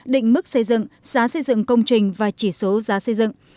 định mức xây dựng giá xây dựng công trình và chỉ số giá xây dựng